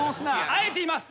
あえて言います。